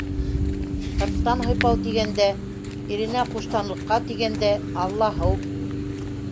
Һырттан һыйпау тигәндә, иренә ҡуштанлыҡҡа тигәндә, аллаһыу!